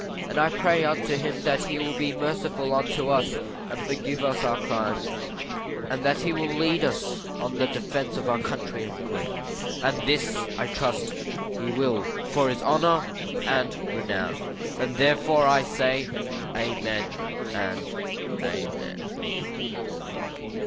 And I pray unto him that he will be merciful unto us, and forgive us our crimes; and that he will lead us on to the defence of our country and Queen. And this I trust he will for his honour and renown; and therefore I say, Amen, and Amen.